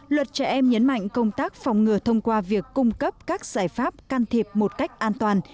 luật trẻ em nhấn mạnh công tác phòng ngừa thông qua việc cung cấp các giải pháp can thiệp một cách an toàn